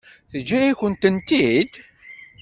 Teǧǧa-yakent-tent-id?